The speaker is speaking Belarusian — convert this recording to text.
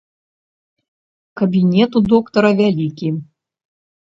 Кабінет у доктара вялікі.